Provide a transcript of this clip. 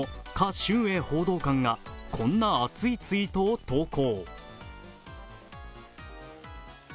春瑩報道官はこんな熱いツイートを投稿。